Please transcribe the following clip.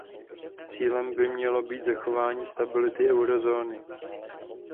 Cílem by mělo být zachování stability eurozóny.